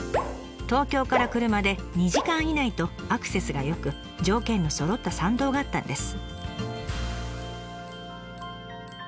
東京から車で２時間以内とアクセスが良く条件のそろった山道があったんです。